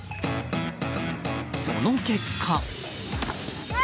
その結果。